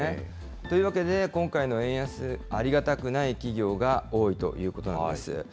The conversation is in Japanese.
というわけで、今回の円安、ありがたくない企業が多いということなんです。